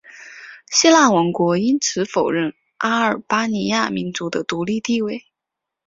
希腊王国因此否认阿尔巴尼亚民族的独立地位。